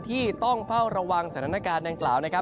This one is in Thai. ที่ต้องเฝ้าระวังสถานการณ์ดังกล่าวนะครับ